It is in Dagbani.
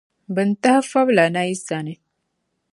Bɛ ni tahi fabla na yi sani.